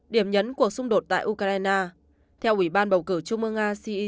điểm nhấn cuộc xung đột tại ukraine